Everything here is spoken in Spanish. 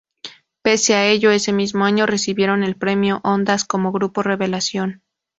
Pese a ello, ese mismo año recibieron el premio Ondas como grupo revelación.